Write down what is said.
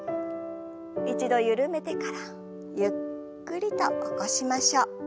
一度緩めてからゆっくりと起こしましょう。